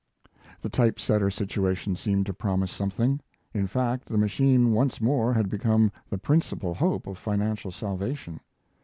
The type setter situation seemed to promise something. In fact, the machine once more had become the principal hope of financial salvation.